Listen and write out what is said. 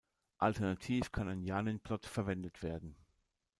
Alternativ kann ein Janin-Plot verwendet werden.